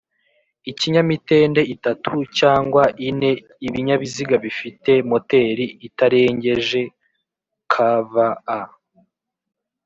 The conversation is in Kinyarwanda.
Ikinyamitende itatu cg ineIbinyabiziga bifite moteri itarengeje KvA